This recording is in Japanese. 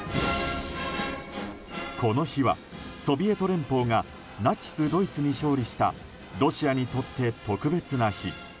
この日は、ソビエト連邦がナチス・ドイツに勝利したロシアにとって特別な日。